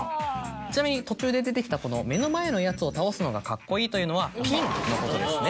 ちなみに途中で出てきたこの「目の前のヤツを倒すのがカッコいい」というのはピンのことですね。